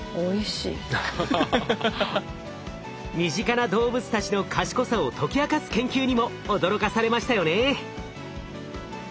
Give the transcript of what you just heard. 身近な動物たちの賢さを解き明かす研究にも驚かされましたよね。